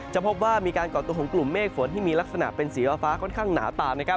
จะพบว่ามีการก่อนตัวของกลุ่มเมฆฝนที่มีลักษณะเป็นสีเวลาฟ้าค่อนข้างหนาต่าง